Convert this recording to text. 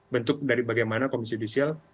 bentuk dari bagaimana komisi judisial